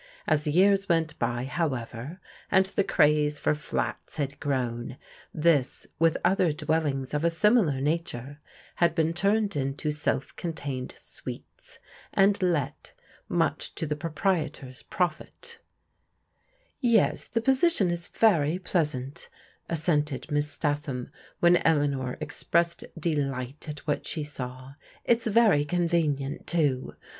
As the years went by, how ever, and the craze for fiats had grown, this, with other dwellings of a similar nature, had been turned into self contained suites, and let, much to the proprietor's profit "Yes, the position is very pleasant," assented Miss Statham when Eleanor expressed delight at what she saw. •' It's very convenient, too.